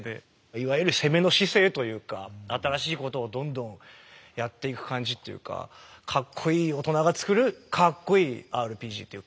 いわゆる攻めの姿勢というか新しいことをどんどんやっていく感じっていうかカッコイイ大人が作るカッコイイＲＰＧっていうか。